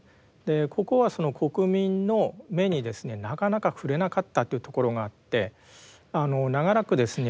ここはその国民の目にですねなかなか触れなかったっていうところがあって長らくですね